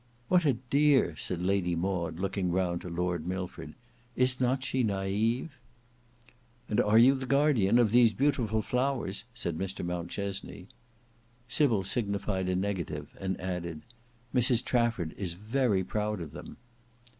"What a dear!" said Lady Maud looking round to Lord Milford. "Is not she naive?" "And are you the guardian of these beautiful flowers?" said Mr Mountchesney. Sybil signified a negative, and added "Mrs Trafford is very proud of them."